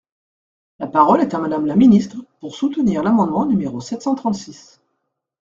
La parole est à Madame la ministre, pour soutenir l’amendement numéro sept cent trente-six.